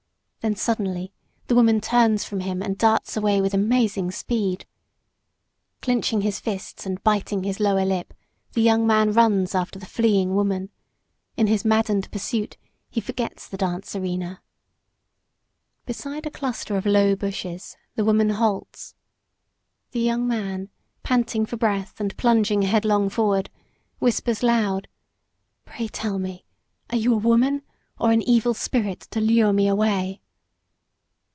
Then suddenly the woman turns from him and darts away with amazing speed. Clinching his fists and biting his lower lip, the young man runs after the fleeing woman. In his maddened pursuit he forgets the dance arena. Beside a cluster of low bushes the woman halts. The young man, panting for breath and plunging headlong forward, whispers loud, "Pray tell me, are you a woman or an evil spirit to lure me away?"